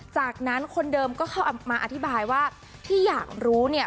จากนั้นคนเดิมก็เข้ามาอธิบายว่าที่อยากรู้เนี่ย